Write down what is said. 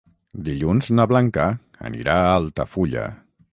Dilluns na Blanca anirà a Altafulla.